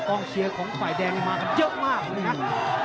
กองเชียร์ของกวายแดงอีกมากเยอะมากครับ